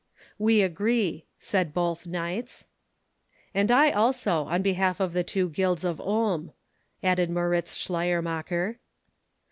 "We agree," said both knights. "And I, also, on behalf of the two guilds of Ulm," added Moritz Schleiermacher.